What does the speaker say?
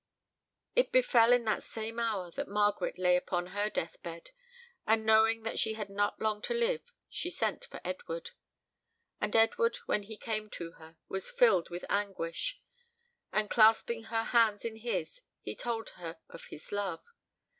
It befell in that same hour that Margaret lay upon her death bed, and knowing that she had not long to live, she sent for Edward. And Edward, when he came to her, was filled with anguish, and clasping her hands in his, he told her of his love.